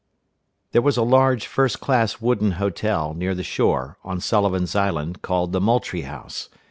There was a large, first class wooden hotel, near the shore, on Sullivan's Island, called the Moultrie House.